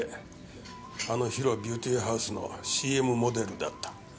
あのＨＩＲＯビューティーハウスのＣＭモデルだった。